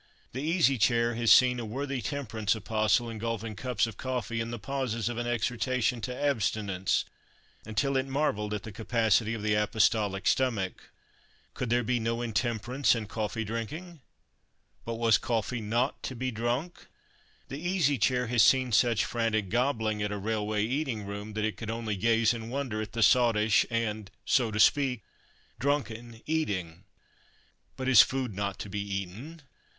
The Easy Chair has seen a worthy temperance apostle ingulfing cups of coffee in the pauses of an exhortation to abstinence, until it marvelled at the capacity of the apostolic stomach. Could there be no intemperance in coffee drinking? But was coffee not to be drunk? The Easy Chair has seen such frantic gobbling at a railway eating room that it could only gaze in wonder at the sottish and, so to speak, drunken eating. But is food not to be eaten?